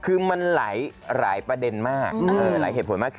คือมันหลายประเด็นมากหลายเหตุผลมาก